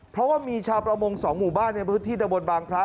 เพราะว่ามีชาวประมง๒หมู่บ้านในพื้นที่ตะบนบางพระ